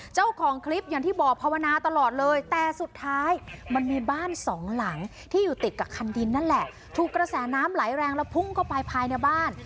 เจ้าของคลิปอย่างที่บอกภาวนาตลอดเลยแต่สุดท้ายมันมีบ้านสองหลังที่อยู่ติดกับคันดินนั่นแหละถูกกระแสน้ำไหลแรงแล้วพุ่งเข้าไปภายในบ้าน